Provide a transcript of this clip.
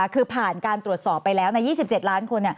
คือผ่านการตรวจสอบไปแล้วใน๒๗ล้านคน